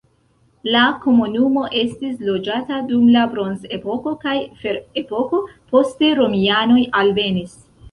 La komunumo estis loĝata dum la bronzepoko kaj ferepoko, poste romianoj alvenis.